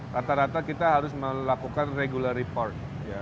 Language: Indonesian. rata rata kita harus melakukan regular report